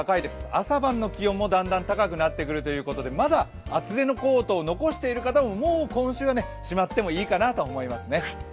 朝晩の気温も、だんだん高くなってくるということでまだ厚手のコートを残している方ももう今週はしまってもいいと思いますね。